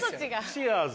チアーズ！